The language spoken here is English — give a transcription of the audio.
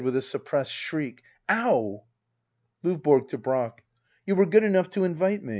[ With a suppressed shriek.] Ow I LdVBORO. [To Brack.] You were good enough to invite me.